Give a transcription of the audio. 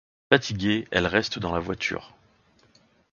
Fatiguée, elle reste dans la voiture.